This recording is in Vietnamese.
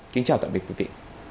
kính chào tạm biệt quý vị